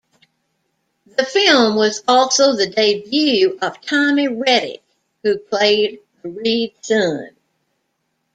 The film was also the debut of Tommy Rettig, who played the Reeds' son.